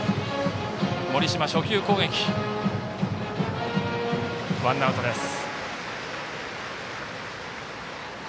盛島、初球攻撃もワンアウトです。